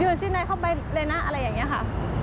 ยืนชิดในเข้าไปเลยนะอะไรอย่างเงี้ยค่ะ